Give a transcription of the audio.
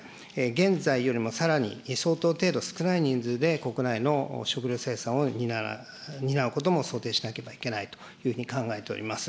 現在よりもさらに相当程度少ない人数で、国内の食料生産を担うことも想定しなければいけないというふうに考えております。